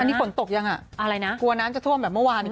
นี่ฝนตกยังอ่ะอะไรนะกลัวน้ำจะท่วมแบบเมื่อวานอีก